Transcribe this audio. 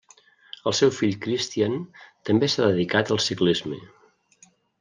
El seu fill Christian també s'ha dedicat al ciclisme.